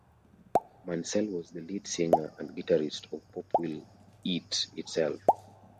Mansell was the lead singer and guitarist of Pop Will Eat Itself.